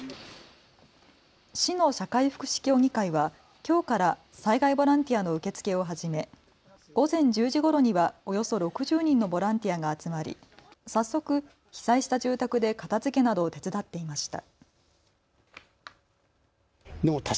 市の社会福祉協議会はきょうから災害ボランティアの受け付けを始め午前１０時ごろにはおよそ６０人のボランティアが集まり早速、被災した住宅で片づけなどを手伝っていました。